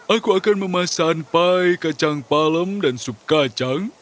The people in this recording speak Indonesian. aku akan memasang pie kacang palem dan sup kacang